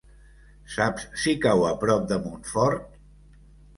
Saps si cau a prop de Montfort?